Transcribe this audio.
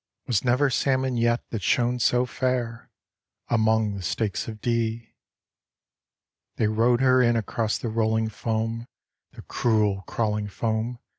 Was never salmon yet that shone so fair, Among the stakes of Dee." They rowed her in across the rolling fogm, The cruel, crawling foam.